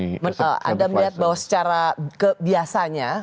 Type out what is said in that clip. jadi anda melihat bahwa secara kebiasanya